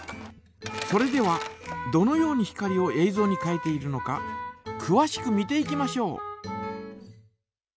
それではどのように光をえいぞうに変えているのかくわしく見ていきましょう。